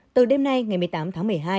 từ đêm nay ngày một mươi tám tháng một mươi hai